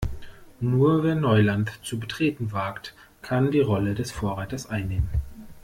Nur wer Neuland zu betreten wagt, kann die Rolle des Vorreiters einnehmen.